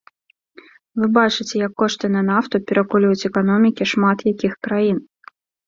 Вы бачыце, як кошты на нафту перакульваюць эканомікі шмат якіх краін.